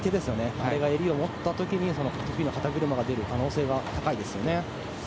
これが襟を持った時に肩車が入る可能性が高いですね。